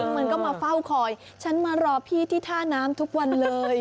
มันก็มาเฝ้าคอยฉันมารอพี่ที่ท่าน้ำทุกวันเลย